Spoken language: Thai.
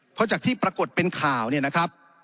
เพราะจากที่ปรากฏเป็นข่าวเนี่ยนะครับ